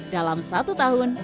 dalam satu tahun